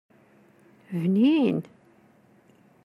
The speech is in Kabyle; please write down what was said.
Bnin.